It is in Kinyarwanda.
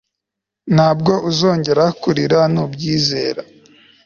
ntabwo uzongera kurira nubyizera